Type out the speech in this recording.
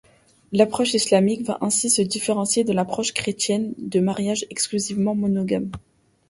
L'approche islamique va ainsi se différencier de l'approche chrétienne de mariage exclusivement monogame.